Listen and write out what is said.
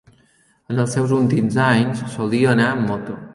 En els seus últims anys solia anar en moto